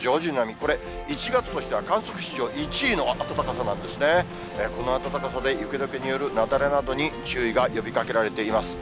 この暖かさで、雪どけによる雪崩などに注意が呼びかけられています。